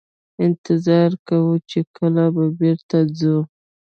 انتظار کوو چې کله به بیرته ځو.